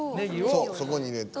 そうそこに入れて。